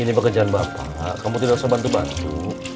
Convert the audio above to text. ini pekerjaan bapak kamu tidak usah bantu bantu